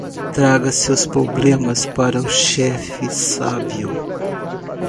Traga seus problemas para o chefe sábio.